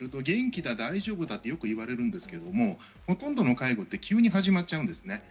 親と話をすると、元気だ大丈夫だとよく言われるんですけれども、ほとんどの介護って急に始まっちゃうんです。